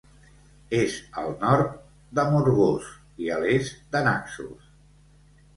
És al nord d'Amorgós i a l'est de Naxos.